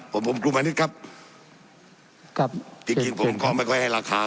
ผมผมกลุ่มมณิษฐ์ครับครับจริงจริงผมเขาไม่ค่อยให้ราคา